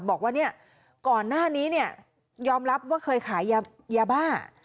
บอกว่าก่อนหน้านี้ยอมรับว่าเคยขายยาบ้า